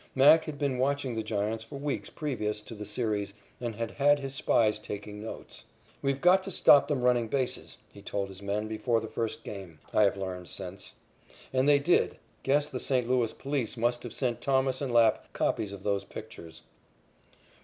Mack had been watching the Giants for weeks previous to the series and had had his spies taking notes. "We've got to stop them running bases," he told his men before the first game, I have learned since. And they did. Guess the St. Louis police must have sent Thomas and Lapp copies of those pictures.